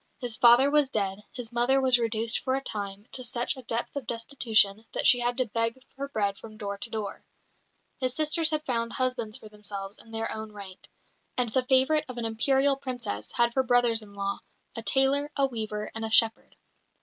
His father was dead; his mother was reduced for a time to such a depth of destitution that she had to beg her bread from door to door. His sisters had found husbands for themselves in their own rank; and the favourite of an Imperial Princess had for brothers in law a tailor, a weaver, and a shepherd.